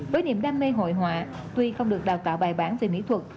với niềm đam mê hội họa tuy không được đào tạo bài bản về mỹ thuật